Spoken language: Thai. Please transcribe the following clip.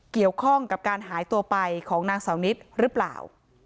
เกี่ยวข้องกับการหายตัวไปของนางเสานิดหรือเปล่า